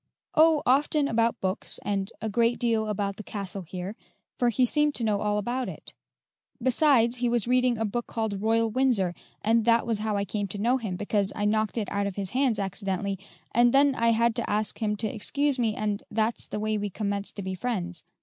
"Oh, often about books, and a great deal about the castle here, for he seemed to know all about it. Besides, he was reading a book called 'Royal Windsor,' and that was how I came to know him, because I knocked it out of his hands accidentally, and then I had to ask him to excuse me, and that's the way we commenced to be friends.